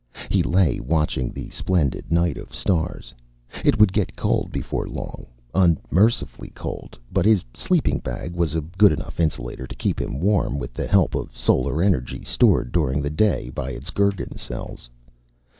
He lay watching the splendid night of stars. It would get cold before long, unmercifully cold, but his sleeping bag was a good enough insulator to keep him warm with the help of solar energy stored during the day by its Gergen cells.